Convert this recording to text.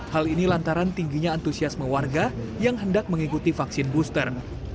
hal ini lantaran tingginya antusiasme warga yang hendak mengikuti vaksin booster